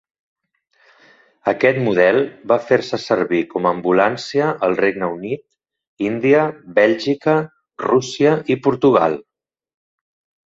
Aquest model va fer-se servir com a ambulància al Regne Unit, Índia, Bèlgica, Rússia i Portugal.